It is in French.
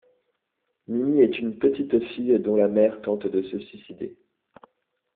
Mimi est une petite fille dont la mère tente de se suicider.